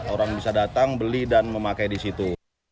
orang bisa datang beli dan memakai di situ